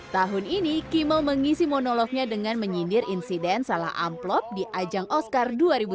tahun ini kimil mengisi monolognya dengan menyindir insiden salah amplop di ajang oscar dua ribu tujuh belas